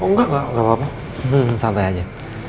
oh enggak gak apa apa santai aja